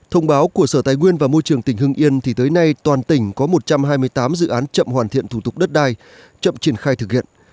thông báo của sở tài nguyên và môi trường tỉnh hưng yên thì tới nay toàn tỉnh có một trăm hai mươi tám dự án chậm hoàn thiện thủ tục đất đai chậm triển khai thực hiện